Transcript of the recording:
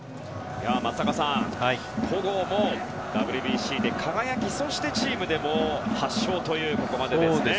松坂さん、戸郷もＷＢＣで輝きそしてチームでも８勝というここまでですね。